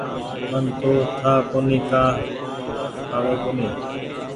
من تو ٺآ ڪونيٚ ڪآ کآوي ڪونيٚ۔